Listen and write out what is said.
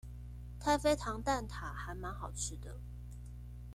太妃糖蛋塔還滿好吃的